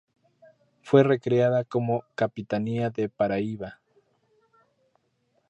Fue recreada como capitanía de Paraíba.